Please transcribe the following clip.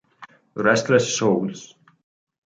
Restless Souls